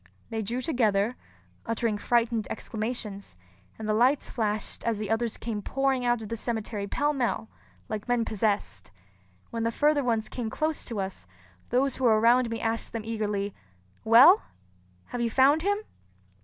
They drew together, uttering frightened exclamations; and the lights flashed as the others came pouring out of the cemetery pell mell, like men possessed. When the further ones came close to us, those who were around me asked them eagerly, "Well, have you found him?"